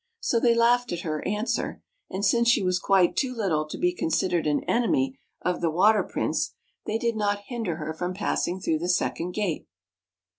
So they laughed at her answer, and, since she was quite too little to be considered an enemy of the Water Prince, they did not hinder her from passing through the second gate.